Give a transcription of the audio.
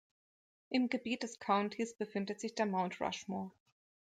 Im Gebiet des Countys befindet sich der Mount Rushmore.